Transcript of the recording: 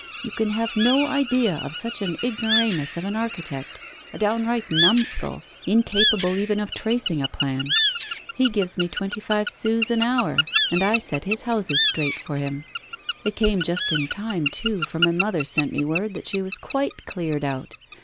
You can have no idea of such an ignoramus of an architect a downright numskull, incapable even of tracing a plan. He gives me twenty five sous an hour, and I set his houses straight for him. It came just in time, too, for my mother sent me word that she was quite cleared out.